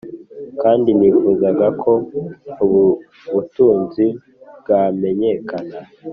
kandi nifuzaga ko ubu butunzi bwamenyekana,